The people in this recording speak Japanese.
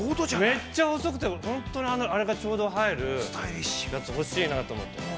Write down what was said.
めっちゃ細くて、本当にあれが、ちょうど入るやつ欲しいなと思って。